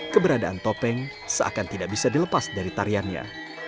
keberadaan topeng seakan tidak bisa dilepas dari tariannya